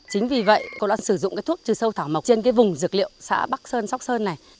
chính vì vậy cô đã sử dụng thuốc trừ sâu thảm mộng trên vùng dược liệu xã bắc sơn sóc sơn này